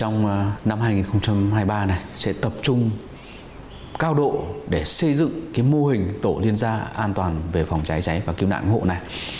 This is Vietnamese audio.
trong năm hai nghìn hai mươi ba này sẽ tập trung cao độ để xây dựng mô hình tổ liên gia an toàn về phòng cháy cháy và cứu nạn hộ này